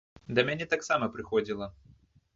Да мяне таксама падыходзіла.